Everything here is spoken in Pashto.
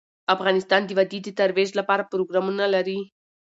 افغانستان د وادي د ترویج لپاره پروګرامونه لري.